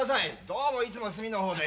どうもいつも隅の方で。